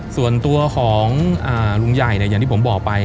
ส่วนตัวของลุงใหญ่อย่างที่ผมบอกไป